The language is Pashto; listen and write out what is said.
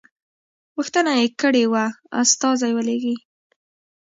غوښتنه یې کړې وه استازی ولېږي.